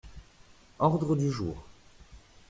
Ordre du jour.